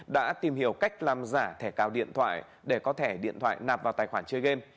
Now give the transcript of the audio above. đã tìm hiểu cách làm giả thẻ cào điện thoại để có thẻ điện thoại nạp vào tài khoản chơi game